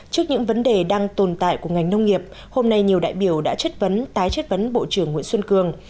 trước những vấn đề đang tồn tại của ngành nông nghiệp hôm nay nhiều đại biểu đã chất vấn tái chất vấn bộ trưởng nguyễn xuân cường